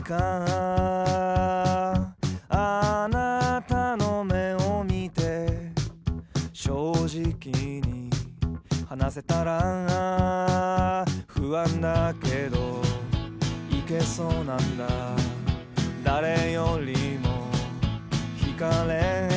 「あなたの目を見て」「正直に話せたら」「不安だけどいけそうなんだ」「誰よりも光れ」